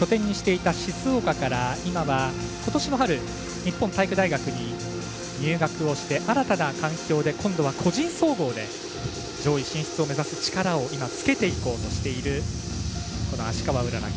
拠点にしていた静岡から今はことしの春に日本体育大学に入学して、新たな環境で今度は個人総合で上位進出を目指す力を今、つけていこうとしている芦川うらら。